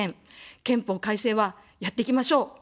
憲法改正は、やっていきましょう。